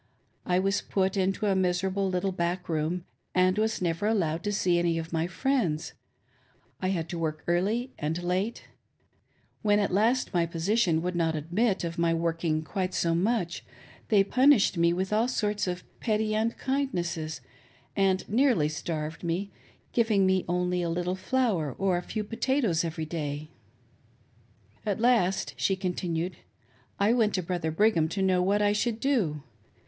I was put into a miserable little back room, and was never allowed to see any of my friends ; I had to work early and late. When at last my position would not admit of my working quite so much, they punished me with all sorts of petty unkindnesses, and nearly starved me, giving me only a little flour or a few potatoes every day, " At last," she continued, " I went to Brother Brigham to know what I should do.